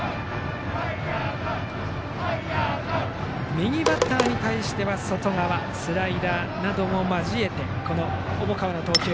右バッターに対しては外側へスライダーなども交えての重川の投球。